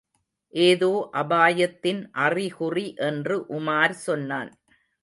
ஏதோ அபாயத்தின் அறிகுறி என்று உமார் சொன்னான்.